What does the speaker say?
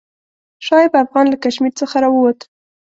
شعیب افغان له کشمیر څخه راووت.